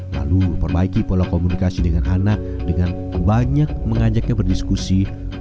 lalu perbaiki pola komunikasi dengan anak dengan banyak mengajaknya berdiskusi